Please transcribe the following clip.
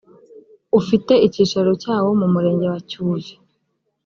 ufite icyicaro cyawomu murenge wa cyuve